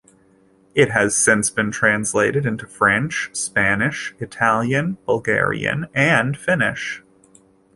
It has since been translated into French, Spanish, Italian, Bulgarian, and Finnish.